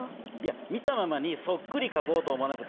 見たままにそっくりかこうと思わなくてもええやん。